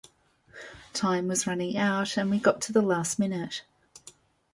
time was running out and we got to the last minute